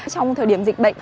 trong thời điểm dịch bệnh